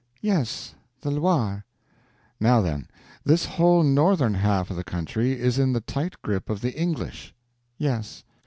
"Yes, the Loire." "Now, then, this whole northern half of the country is in the tight grip of the English." "Yes."